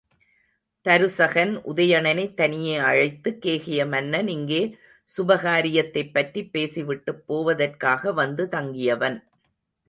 தருசகன், உதயணனைத் தனியே அழைத்து, கேகய மன்னன் இங்கே சுபகாரியத்தைப் பற்றிப் பேசி விட்டுப் போவதற்காக வந்து தங்கியவன்.